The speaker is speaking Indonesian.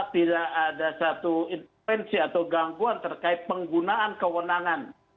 tidak ada satu intervensi atau gangguan terkait penggunaan kewenangan